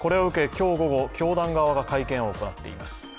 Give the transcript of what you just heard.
今日午後、教団側が会見を行っています。